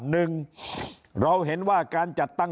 หนึ่งเราเห็นว่าการจัดตั้ง